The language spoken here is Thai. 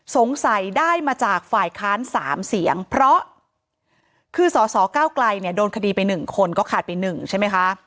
สงสัยได้มาจากฝ่ายค้าน๓เสียงเพราะคือสสเก้าไกลเนี่ยโดนคดีไป๑คนก็ขาดไป๑ใช่ไหมคะ